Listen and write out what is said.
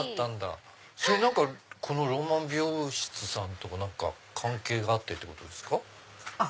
このロマン美容室さんとは何か関係があってってことですか？